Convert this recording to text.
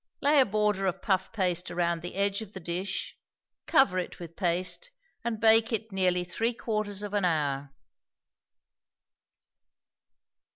Lay a border of puff paste around the edge of the dish, cover it with paste, and bake it nearly three quarters of an hour.